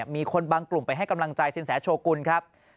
มีคนบางกลุ่มไปให้กำลังใจสินแสโชกุลครับ